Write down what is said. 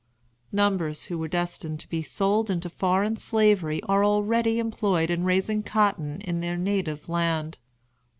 Numbers who were destined to be sold into foreign Slavery are already employed in raising cotton in their native land.